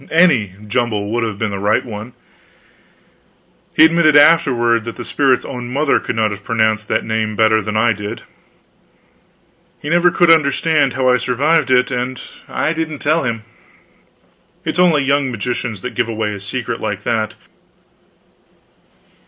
Any jumble would have been the right one. He admitted, afterward, that that spirit's own mother could not have pronounced that name better than I did. He never could understand how I survived it, and I didn't tell him. It is only young magicians that give away a secret like that.